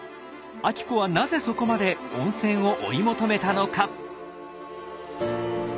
晶子はなぜそこまで温泉を追い求めたのか？